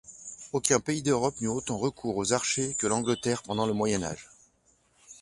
Aucun pays d'Europe n'eut autant recours aux archers que l'Angleterre pendant le Moyen Âge.